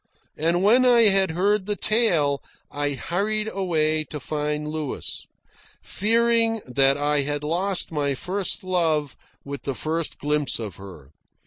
And when I had heard the tale, I hurried away to find Louis, fearing that I had lost my first love with the first glimpse of her.